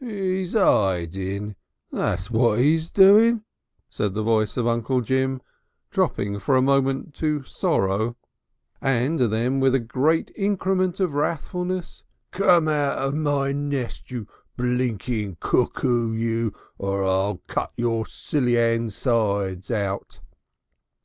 "'E's 'iding, that's what 'e's doing," said the voice of Uncle Jim, dropping for a moment to sorrow, and then with a great increment of wrathfulness: "Come out of my nest, you blinking cuckoo, you, or I'll cut your silly insides out!